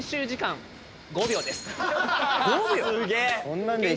すげえ！